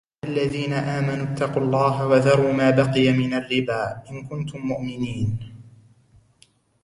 يَا أَيُّهَا الَّذِينَ آمَنُوا اتَّقُوا اللَّهَ وَذَرُوا مَا بَقِيَ مِنَ الرِّبَا إِنْ كُنْتُمْ مُؤْمِنِينَ